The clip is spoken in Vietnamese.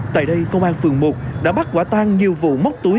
tại đây công an phường một đã bắt quả tan nhiều vụ móc túi